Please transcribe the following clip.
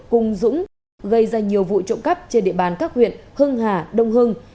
cùng dũng gây ra nhiều vụ trộm cắp trên địa bàn các huyện hưng hà đông hưng